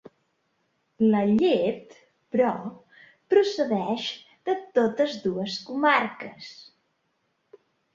La llet, però, procedeix de totes dues comarques.